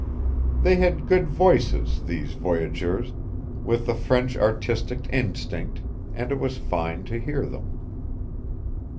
They had good voices, these voyageurs, with the French artistic instinct, and it was fine to hear them.